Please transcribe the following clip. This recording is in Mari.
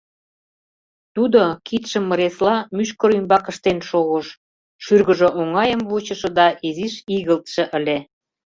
Тудо кидшым ыресла мӱшкыр ӱмбак ыштен шогыш, шӱргыжӧ оҥайым вучышо да изиш игылтше ыле.